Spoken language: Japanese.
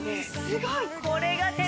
すごい。